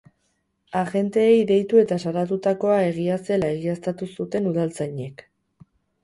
Agenteei deitu eta salatutakoa egia zela egiaztatu zuten udaltzainek.